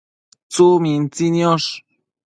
tsumintsi niosh